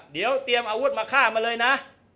เดี๋ยวเตรียมอาวุธมาฆ่ามาเลยนะ